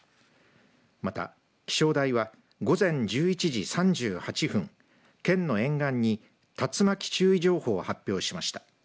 また気象台は午前１１時３８分県の沿岸に竜巻注意情報を発表しました。